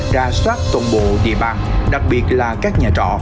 ra soát toàn bộ địa bàn đặc biệt là các nhà trọ